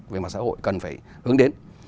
vì mà xã hội cần phải hướng đến